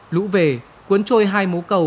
lũ về cuốn trôi hai mố cầu